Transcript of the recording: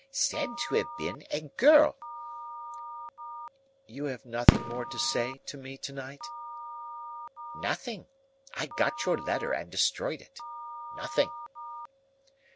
"Said to have been a girl." "You have nothing more to say to me to night?" "Nothing. I got your letter and destroyed it. Nothing."